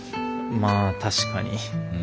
まあ確かに。